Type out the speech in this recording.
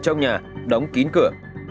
trong nhà đóng kín cửa